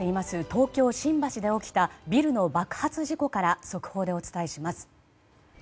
東京・新橋で起きたビルの爆発事故から速報でお伝えします。